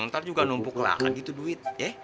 ntar juga numpuk lah kan gitu duit ya